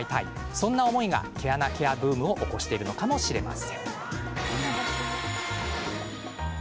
そんな思いが、毛穴ケアブームを起こしているのかもしれません。